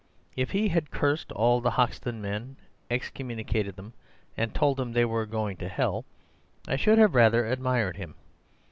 If he had cursed all the Hoxton men, excommunicated them, and told them they were going to hell, I should have rather admired him.